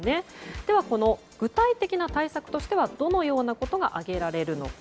では、具体的な対策としてどのようなことが挙げられるのか。